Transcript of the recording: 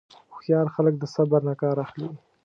هوښیار خلک د صبر نه کار اخلي.